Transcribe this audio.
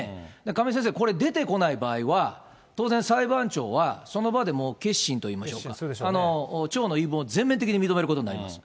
亀井先生、これ、出てこない場合は、当然裁判長はその場でもう結審と言いましょうか、町の言い分を全面的に認めることになります。